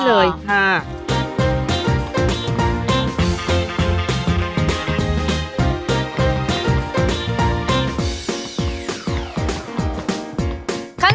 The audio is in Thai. ๑ช้อนครับ